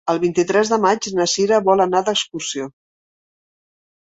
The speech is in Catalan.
El vint-i-tres de maig na Cira vol anar d'excursió.